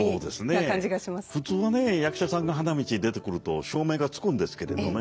普通はね役者さんが花道に出てくると照明がつくんですけれどね